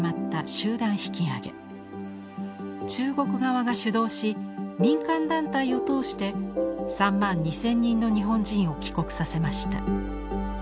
中国側が主導し民間団体を通して３万２，０００人の日本人を帰国させました。